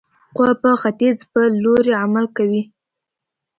قوه په ختیځ په لوري عمل کوي.